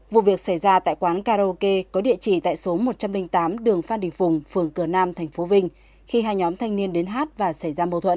vụ việc xảy ra tại quán karaoke có địa chỉ tại số một trăm linh tám đường phan đình phùng phường cửa nam tp vinh khi hai nhóm thanh niên đến hát và xảy ra mâu thuẫn